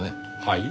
はい？